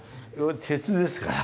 鉄ですから。